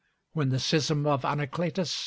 When the schism of Anacletus II.